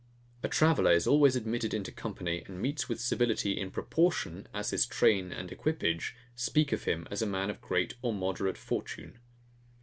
A traveller is always admitted into company, and meets with civility, in proportion as his train and equipage speak him a man of great or moderate fortune.